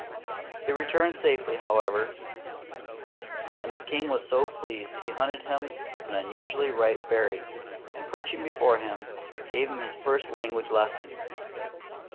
He returned safely, however; and the king was so pleased he hunted him an unusually ripe berry, and perching before him, gave him his first language lesson.